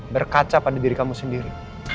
berkaca pada diri kamu sendiri